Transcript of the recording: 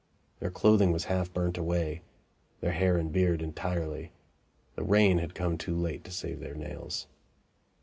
Their clothing was half burnt away their hair and beard entirely; the rain had come too late to save their nails.